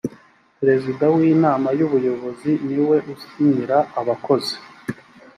perezida w inama y’ ubuyobozi ni we usinyira abakozi .